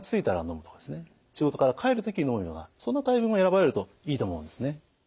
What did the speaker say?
仕事から帰る時にのむようなそんなタイミングを選ばれるといいと思うんですね。